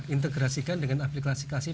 integrasikan dengan aplikasikasi